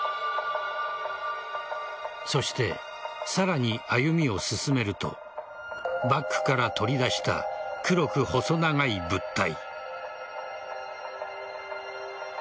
そして、さらに歩みを進めるとバッグから取り出した黒く細長い物体。